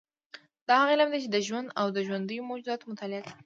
دا هغه علم دی چې د ژوند او ژوندیو موجوداتو مطالعه کوي